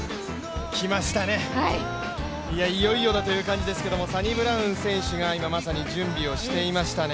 きましたね、いよいよだという感じですけれどもサニブラウン選手が今まさに準備をしていましたね。